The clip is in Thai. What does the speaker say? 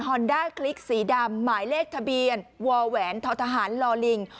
อนด้าคลิกสีดำหมายเลขทะเบียนวแหวนททหารลอลิง